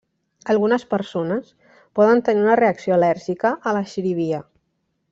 Algunes persones poden tenir una reacció al·lèrgica a la xirivia.